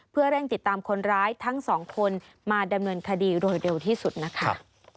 เพื่อเร่งติดตามคนร้ายทั้งสองคนมาดำเนินคดีโดยเร็วที่สุดนะคะ